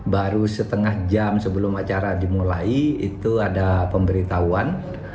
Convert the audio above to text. baru setengah jam sebelum acara dimulai itu ada pemberitahuan